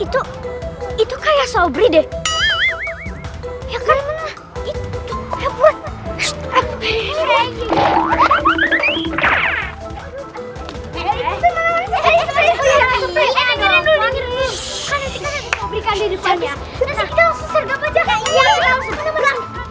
tidak tidak tidak